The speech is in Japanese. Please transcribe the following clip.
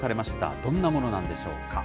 どんなものなんでしょうか。